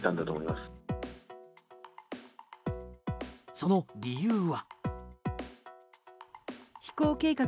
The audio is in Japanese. その理由は。